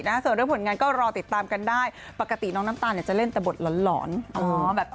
ใช่แต่เราก็แฮปปี้มีเพื่อนเยอะแยะ